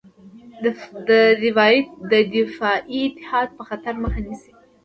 دفاعي اتحاد به خطر مخه ونیسي.